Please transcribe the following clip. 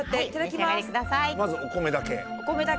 まずお米だけ。